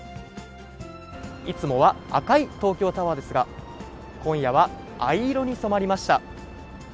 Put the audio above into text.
いつもは赤い東京タワーですが、今夜は藍色に染まりました。